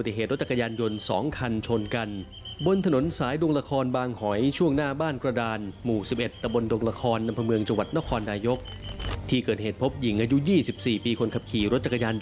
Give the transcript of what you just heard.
แต่ไม่คิดว่าเขาจะเลี้ยวแบบมาถ้ามเลนนี้เลย